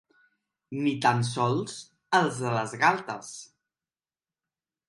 Ni tan sols els de les galtes.